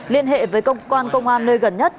liên hệ với công an công an nơi gần nhất